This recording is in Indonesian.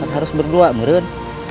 harus berdua meren